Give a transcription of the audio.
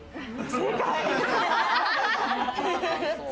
正解！